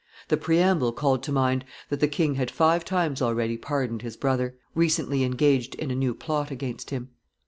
The preamble called to mind that the king had five times already pardoned his brother, recently engaged in a new plot against him.